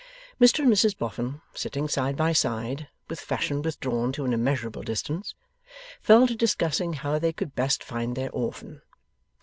Mr and Mrs Boffin, sitting side by side, with Fashion withdrawn to an immeasurable distance, fell to discussing how they could best find their orphan.